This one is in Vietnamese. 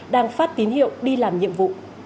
câu chuyện tạm biệt